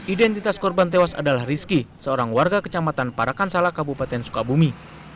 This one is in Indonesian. identitas korban tewas adalah rizky seorang warga kecamatan parakan salak kebupaten sukabumi